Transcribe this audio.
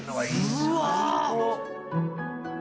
うわ！